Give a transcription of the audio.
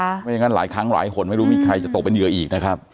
ไม่อย่างนั้นหลายครั้งหลายคนไม่รู้มีใครจะตกเป็นเหยื่ออีกนะครับ